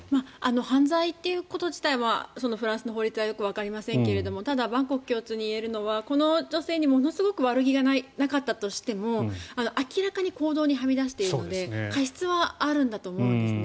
犯罪ということ自体はフランスの法律はよくわかりませんがただ、万国共通に言えるのはこの女性にものすごく悪気がなかったとしても明らかに公道にはみ出しているので過失はあるんだと思うんですね。